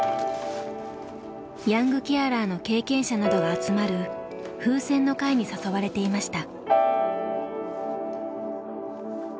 ヤングケアラーの経験者などが集まるふうせんの会に誘われていました。